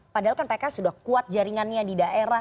padahal kan pks sudah kuat jaringannya di daerah